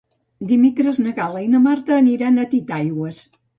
Dimecres na Gal·la i na Marta aniran a Titaigües.